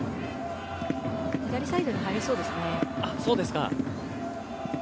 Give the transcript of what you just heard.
左サイドに入りそうですね。